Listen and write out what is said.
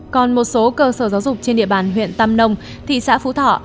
còn một số cơ sở giáo dục trên địa bàn huyện tam nông thị xã phú thọ